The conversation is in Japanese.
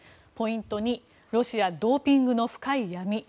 ポイント２ロシア、ドーピングの深い闇。